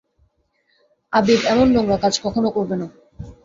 আবীর এমন নোংরা কাজ কখনো করবে না।